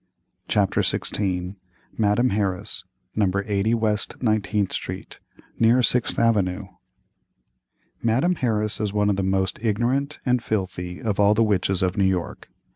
CHAPTER XVI. MADAME HARRIS, No. 80 WEST 19TH STREET, NEAR SIXTH AVENUE. Madame Harris is one of the most ignorant and filthy of all the witches of New York.